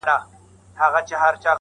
راشي په خلقو کې تنها نه راځي